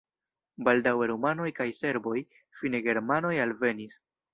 Baldaŭe rumanoj kaj serboj, fine germanoj alvenis.